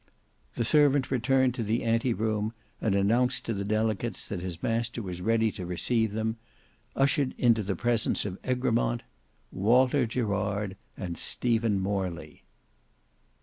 The servant returned to the ante room, and announcing to the delegates that his master was ready to receive them, ushered into the presence of Egremont—WALTER GERARD and STEPHEN MORLEY.